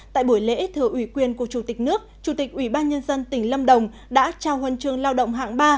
tại buổi lễ thừa ủy quyền của chủ tịch nước chủ tịch ủy ban nhân dân tỉnh lâm đồng đã trao huân trường lao động hạng ba